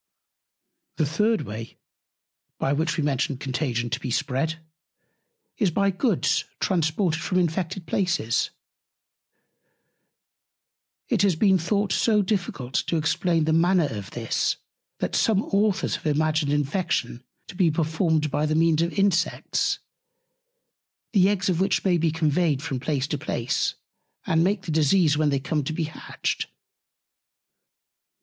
The third Way, by which we mentioned Contagion to be spread, is by Goods transported from infected Places. It has been thought so difficult to explain the Manner of this, that some Authors have imagined Infection to be performed by the Means of Insects, the Eggs of which may be conveyed from Place to Place, and make the Disease when they come to be hatched.